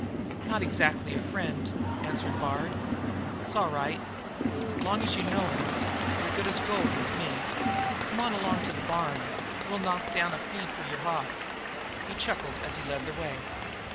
"Not exactly a friend," answered Bard. "Sail right. Long's you know him, you're as good as gold with me. Come on along to the barn and we'll knock down a feed for the hoss." He chuckled as he led the way.